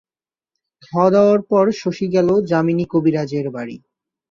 খাওয়াদাওয়ার পর শশী গেল যামিনী কবিরাজের বাড়ি।